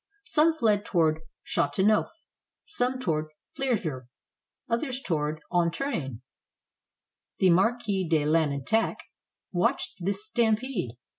Some fled toward Chateauneuf, some toward Plerguer, others toward Antrain. 325 FRANCE The Marquis de Lantenac watched this stampede.